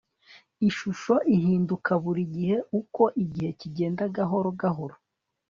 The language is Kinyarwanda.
ishusho ihinduka buri gihe uko igihe kigenda gahoro gahoro